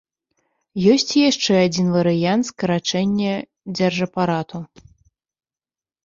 Ёсць і яшчэ адзін варыянт скарачэння дзяржапарату.